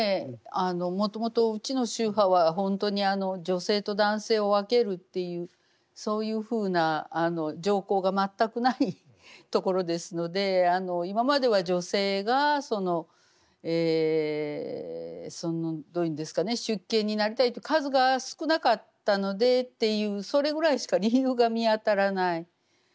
もともとうちの宗派は本当に女性と男性を分けるっていうそういうふうな条項が全くないところですので今までは女性がどう言うんですかね出家になりたいと数が少なかったのでっていうそれぐらいしか理由が見当たらない。